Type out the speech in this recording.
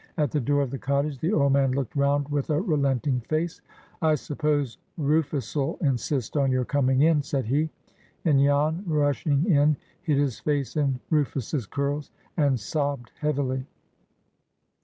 At the door of the cottage, the old man looked round with a relenting face. "I suppose Rufus'll insist on your coming in," said he; and Jan rushing in hid his face in Rufus's curls, and sobbed heavily.